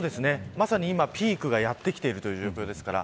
まさに今ピークがやってきている状況です。